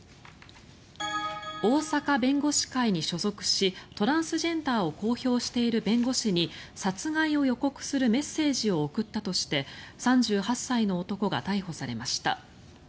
大阪弁護士会に所属しトランスジェンダーを公表している弁護士に殺害を予告するメッセージを送ったとして３８歳の男が逮捕されました。